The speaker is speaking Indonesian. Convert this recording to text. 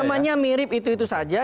cumannya mirip itu itu saja